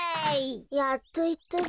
やっといったぜ。